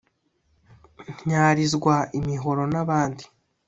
ntyarizwa imihoro n'abandi